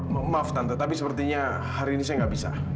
maaf tante tapi sepertinya hari ini saya nggak bisa